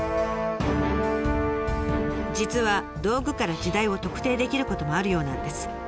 実は道具から時代を特定できることもあるようなんです。